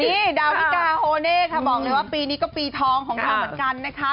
นี่ดาวิกาโฮเน่ค่ะบอกเลยว่าปีนี้ก็ปีทองของเธอเหมือนกันนะคะ